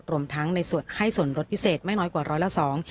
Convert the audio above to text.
รวมทั้งในส่วนให้ส่วนลดพิเศษไม่น้อยกว่าร้อยละสอง